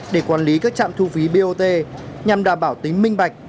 để quản lý các trạm thu phí bot nhằm đảm bảo tính minh bạch